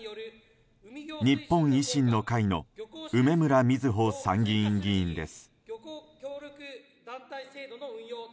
日本維新の会の梅村みずほ参議院議員です。